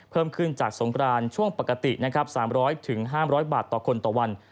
เพิ่มขึ้นจากสงกรานช่วงปกติ๓๐๐ถึง๕๐๐บาทต่อคนต่อวัน